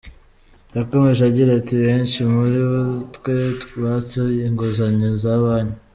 Yakomeje agira ati “Benshi muri twe batse inguzanyo za banki.